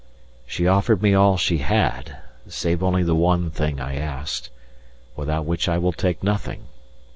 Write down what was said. She offered me all she had, save only the one thing I asked, without which I will take nothing.